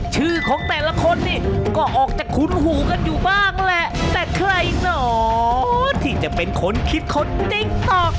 ชื่อของแต่ละคนนี่ก็ออกจะคุ้นหูกันอยู่บ้างแหละแต่ใครหนอที่จะเป็นคนคิดคนติ๊กต๊อก